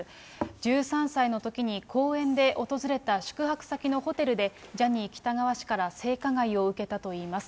１３歳のときに公演で訪れた宿泊先のホテルで、ジャニー喜多川氏から性加害を受けたといいます。